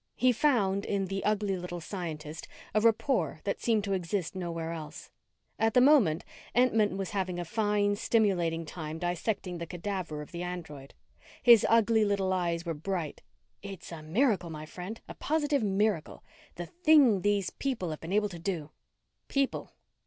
He found, in the ugly little scientist, a rapport that seemed to exist nowhere else. At the moment, Entman was having a fine, stimulating time dissecting the cadaver of the android. His ugly little eyes were bright. "It's a miracle, my friend! A positive miracle. The thing these people have been able to do!" "People?